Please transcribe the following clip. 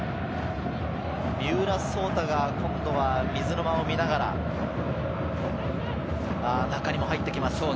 三浦颯太が今度は水沼を見ながら中に入っていきます。